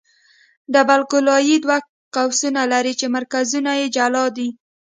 ډبل ګولایي دوه قوسونه لري چې مرکزونه یې جلا دي